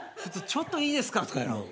「ちょっといいですか」とかやろ。